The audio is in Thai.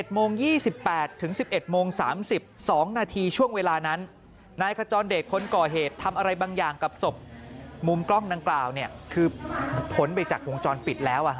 ๑๑โมง๒๘ถึง๑๑โมง๓๒นาทีช่วงเวลานั้นมุมกล้องดังกล่าวคือพนไปจากวงจรปิดแล้ว